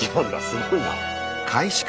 すごいな。